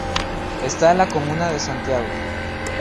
Está en la comuna de Santiago.